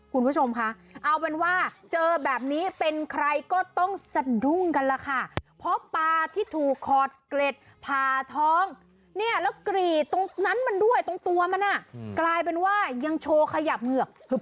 คือมันก็มีคนไปคอมเมนต์เยอะ